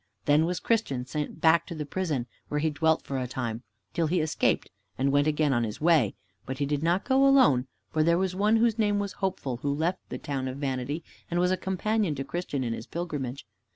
Then was Christian sent back to the prison, where he dwelt for a time, till he escaped and went again on his way. But he did not go alone, for there was one whose name was Hopeful, who left the town of Vanity, and was a companion to Christian in his pilgrimage.